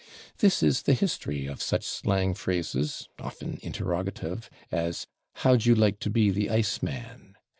" This is the history of such slang phrases, often interrogative, as "How'd you like to be the ice man?"